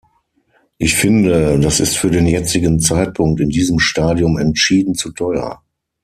Ich finde, das ist für den jetzigen Zeitpunkt in diesem Stadium entschieden zu teuer!